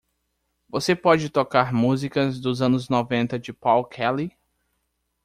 Você pode tocar música dos anos noventa de Paul Kelly?